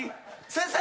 先生！